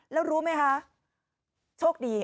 แล้วรู้มั้ยฮะโชคดี